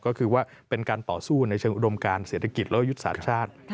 ก็คือว่าเป็นการต่อสู้ในเชิงอุดมการเศรษฐกิจและยุทธศาสตร์ชาติ